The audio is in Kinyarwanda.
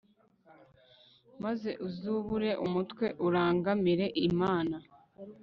maze uzubure umutwe urangamire imana